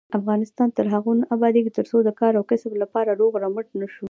افغانستان تر هغو نه ابادیږي، ترڅو د کار او کسب لپاره روغ رمټ نشو.